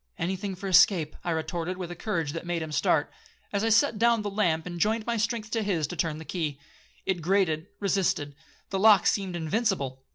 '—'Any thing for escape,' I retorted with a courage that made him start, as I set down the lamp, and joined my strength to his to turn the key. It grated, resisted; the lock seemed invincible.